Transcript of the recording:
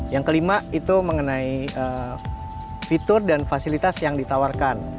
yang kelima itu mengenai fitur dan fasilitas yang ditawarkan